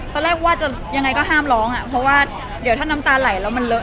ตอนแรกว่าจะยังไงก็ห้ามร้องอ่ะเพราะว่าเดี๋ยวถ้าน้ำตาไหลแล้วมันเลอะ